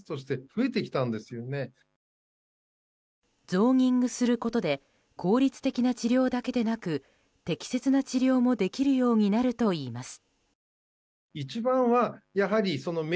ゾーニングすることで効率的な治療だけでなく適切な治療もできるようになるといいます。